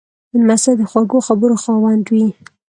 لمسی د خوږو خبرو خاوند وي.